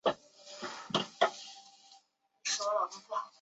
南昆虾脊兰为兰科虾脊兰属下的一个种。